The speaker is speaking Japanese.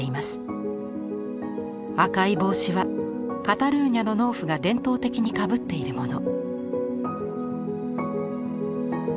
赤い帽子はカタルーニャの農夫が伝統的にかぶっているもの。